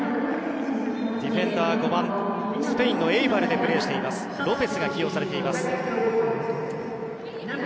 ディフェンダー５番スペインのエイバルでプレーしているロペスが起用されています。